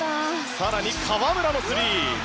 更に河村のスリー。